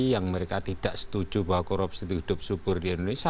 yang mereka tidak setuju bahwa korupsi itu hidup subur di indonesia